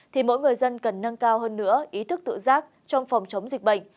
thì mỗi người dân cần nâng cao hơn nữa ý thức tự giác trong phòng chống dịch bệnh